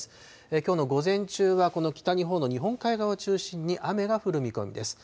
きょうの午前中はこの北日本の日本海側を中心に雨が降る見込みです。